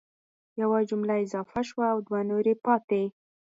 یوه جمله اضافه شوه او دوه نورې پاتي